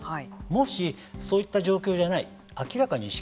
もしそういった状況じゃない明らかに意識